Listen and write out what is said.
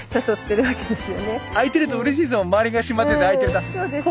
開いてるとうれしいですもん。